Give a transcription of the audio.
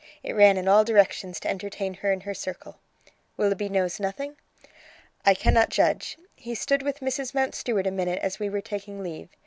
It ran in all directions to entertain her and her circle." "Willoughby knows nothing?" "I cannot judge. He stood with Mrs. Mountstuart a minute as we were taking leave.